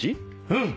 うん。